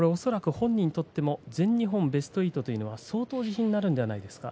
本人にとっても全日本ベスト８というのは相当自信になるんじゃないですか。